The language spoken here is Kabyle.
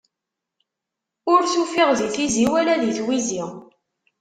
Ur t-ufiɣ di tizi, wala di tiwizi.